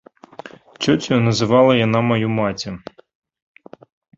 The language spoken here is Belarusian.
Цёцяю называла яна маю маці.